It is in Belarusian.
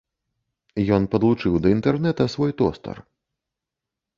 Ён падлучыў да інтэрнэта свой тостар.